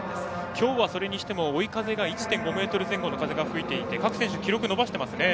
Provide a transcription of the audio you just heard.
きょうは、それにしても追い風が１．５メートル前後の風吹いていて各選手、記録伸ばしていますね。